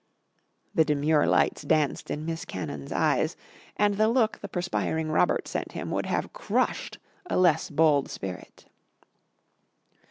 The demure lights danced in Miss Cannon's eyes and the look the perspiring Robert sent him would have crushed a less bold spirit.